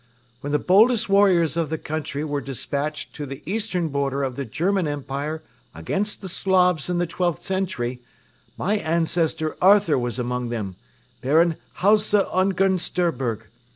When the boldest warriors of the country were despatched to the eastern border of the German Empire against the Slavs in the twelfth century, my ancestor Arthur was among them, Baron Halsa Ungern Sternberg.